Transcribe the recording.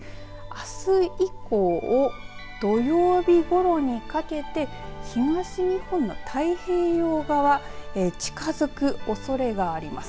あす以降土曜日ごろにかけて東日本の太平洋側近づくおそれがあります。